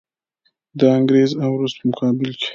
د انګریز او روس په مقابل کې.